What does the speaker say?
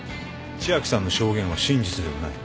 千晶さんの証言は真実ではない。